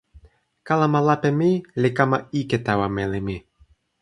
kalama lape mi li kama ike tawa meli mi.